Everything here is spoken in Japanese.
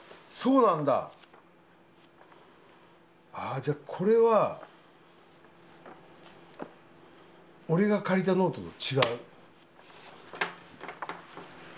あじゃあこれは俺が借りたノートと違う。